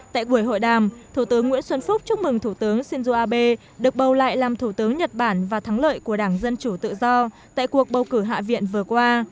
tại buổi hội đàm thủ tướng nguyễn xuân phúc chúc mừng thủ tướng shinzo abe được bầu lại làm thủ tướng nhật bản và thắng lợi của đảng dân chủ tự do tại cuộc bầu cử hạ viện vừa qua